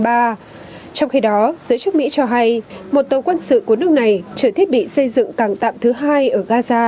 trong khi đó giới chức mỹ cho hay một tàu quân sự của nước này chở thiết bị xây dựng càng tạm thứ hai ở gaza